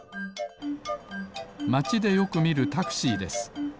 まちでよくみるタクシーです。